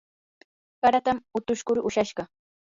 haratam utush kuru ushashqa.